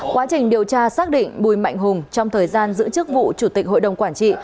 quá trình điều tra xác định bùi mạnh hùng trong thời gian giữ chức vụ chủ tịch hội đồng quản trị